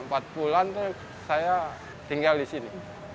empat bulan saya tinggal di sini